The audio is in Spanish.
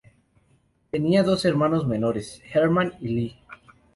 Tenía dos hermanos menores, Herman y Lee.